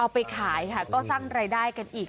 ไปขายค่ะก็สร้างรายได้กันอีก